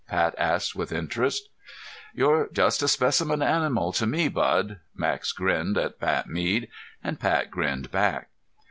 Pat asked with interest. "You're just a specimen animal to me, bud!" Max grinned at Pat Mead, and Pat grinned back.